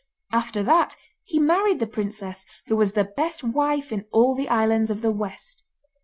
After that he married the princess, who was the best wife in all the islands of the West.